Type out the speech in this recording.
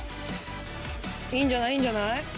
いいんじゃない？いいんじゃない？